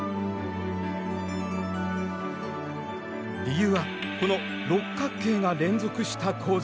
理由はこの六角形が連続した構造。